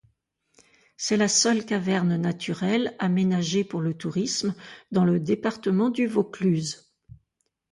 C'est la seule caverne naturelle aménagée pour le tourisme dans le département du Vaucluse.